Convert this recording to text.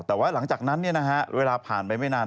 แต่ว่าหลังจากนั้นเวลาผ่านไปไม่นาน